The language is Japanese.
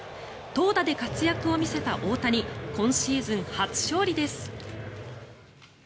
投打で活躍を見せた大谷今シーズン初勝利です。